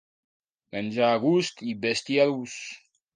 Menjar a gust i vestir a l'ús.